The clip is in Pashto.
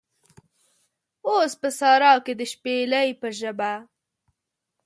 اوس په سارا کې د شپیلۍ په ژبه